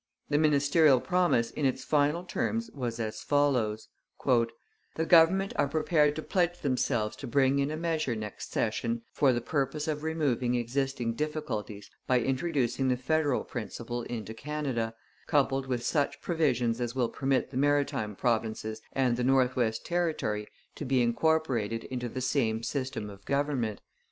The ministerial promise in its final terms was as follows: The Government are prepared to pledge themselves to bring in a measure next session for the purpose of removing existing difficulties by introducing the federal principle into Canada, coupled with such provisions as will permit the Maritime Provinces and the North West Territory to be incorporated into the same system of government.